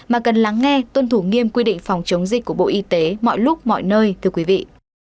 mà cần lắng nghe tuân thủ nghiêm quy định phòng chống dịch của bộ y tế mọi lúc mọi nơi